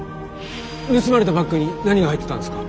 盗まれたバッグに何が入ってたんですか？